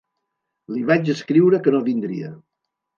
Li vaig escriure que no vindria.